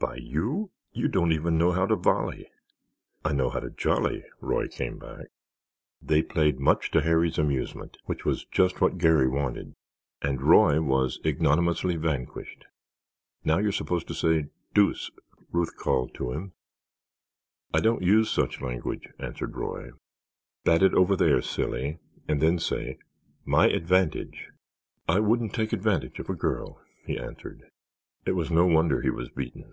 "By you? You don't even know how to volley." "I know how to jolly," Roy came back. They played much to Harry's amusement, which was just what Garry wanted, and Roy was ignominiously vanquished. "Now you're supposed to say 'Deuce'!" Ruth called to him. "I don't use such language," answered Roy. "Bat it over there, silly, and then say 'My advantage!'" "I wouldn't take advantage of a girl," he answered. It was no wonder he was beaten.